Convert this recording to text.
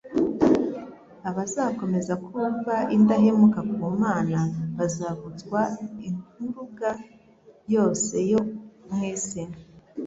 abazakomeza kuba indahemuka ku Mana bazavutswa inkuruga yose yo mu isi.